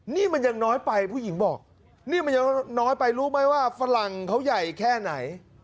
นี่มันยังน้อยไปผู้หญิงบอกนี่มันยังน้อยไปรู้ไหมว่าฝรั่งเขาใหญ่แค่ไหน